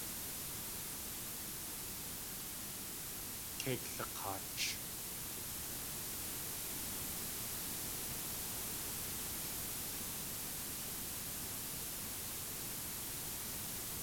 Kei klak̲aach!